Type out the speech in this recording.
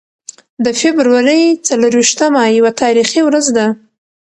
د فبرورۍ څلور ویشتمه یوه تاریخي ورځ ده.